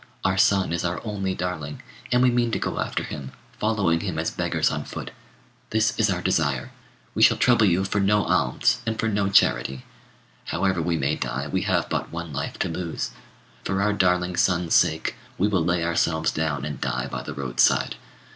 Our son is our only darling, and we mean to go after him, following him as beggars on foot. This is our desire. We shall trouble you for no alms and for no charity. However we may die, we have but one life to lose. For our darling son's sake, we will lay ourselves down and die by the roadside.